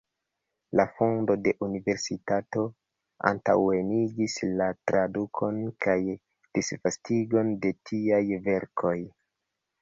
La fondo de universitatoj antaŭenigis la tradukon kaj disvastigon de tiaj verkoj.